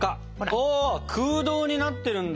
わ空洞になってるんだ。